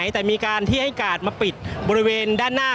ก็น่าจะมีการเปิดทางให้รถพยาบาลเคลื่อนต่อไปนะครับ